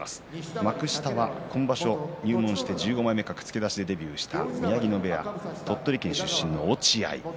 幕下は、今場所、入門して１５枚目格付け出しの宮城野部屋、鳥取県出身の落合。